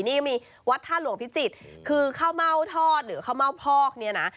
นี่มีวัดท่าหลวงพิจิตรคือข้าวเม่าทอดหรือข้าวเม่าพอกเนี่ยนะ